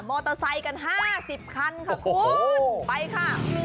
มอเตอร์ไซด์กันห้าสิบคันค่ะคุณไปค่ะ